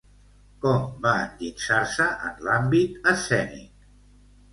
Com va endinsar-se en l'àmbit escènic?